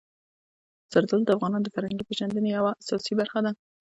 زردالو د افغانانو د فرهنګي پیژندنې یوه اساسي برخه ده.